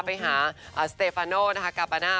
ไปหาสเตฟาโน่นะคะกับอาณา